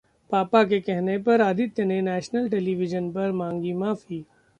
पापा के कहने पर आदित्य ने नेशनल टेलीविजन पर मांगी माफी